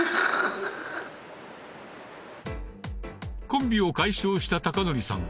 コンビを解消した孝法さん